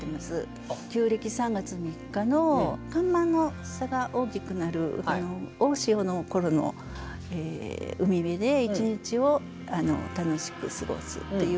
旧暦３月３日の干満の差が大きくなる大潮のころの海辺で１日を楽しく過ごすというような季題になっています。